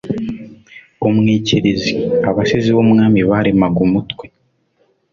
Umwikirizi “. Abasizi b'Umwami baremaga umutwe